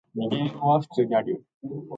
They had an open marriage.